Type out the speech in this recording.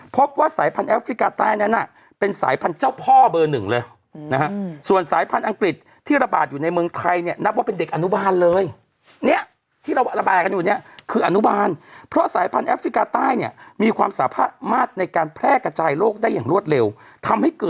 พบว่าสายพันธุแอฟริกาใต้นั้นน่ะเป็นสายพันธุ์เจ้าพ่อเบอร์หนึ่งเลยนะฮะส่วนสายพันธุ์อังกฤษที่ระบาดอยู่ในเมืองไทยเนี่ยนับว่าเป็นเด็กอนุบาลเลยเนี่ยที่เราระบายกันอยู่เนี่ยคืออนุบาลเพราะสายพันธแอฟริกาใต้เนี่ยมีความสามารถในการแพร่กระจายโลกได้อย่างรวดเร็วทำให้เกิด